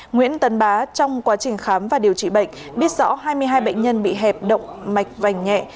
nguyễn tấn bá trong quá trình khám và điều trị bệnh biết rõ hai mươi hai bệnh nhân bị hẹp động mạch vành nhẹ